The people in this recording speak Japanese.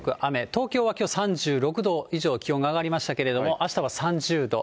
東京はきょう３６度以上気温が上がりましたけれども、あしたは３０度。